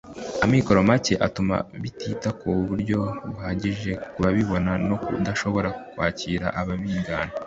Amikoro make atuma bitita ku buryo buhagije ku babibamo no kudashobora kwakira ababigana